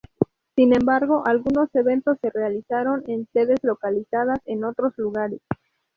Sin embargo, algunos eventos se realizaron en sedes localizadas en otros lugares.